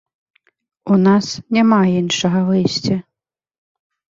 У нас няма іншага выйсця!